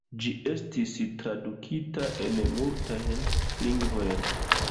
Ĝi estas tradukita en multajn lingvojn.